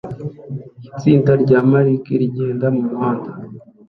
Itsinda rya marike rigenda mumuhanda